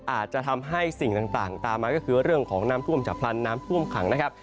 อาจจะทำให้สิ่งต่างตามมาก็คือเรื่องของน้ำท่วมฉับพลันน้ำท่วมขังนะครับ